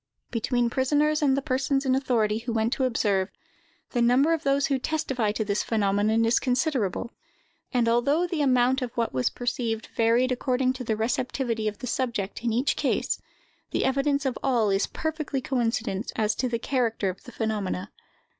Between prisoners and the persons in authority who went to observe, the number of those who testify to this phenomenon is considerable; and, although the amount of what was perceived varied according to the receptivity of the subject in each case, the evidence of all is perfectly coincident as to the character of the phenomena.